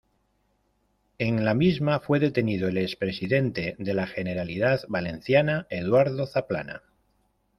En la misma fue detenido el expresidente de la Generalidad Valenciana, Eduardo Zaplana.